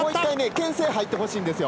けん制に入ってほしいんですよ。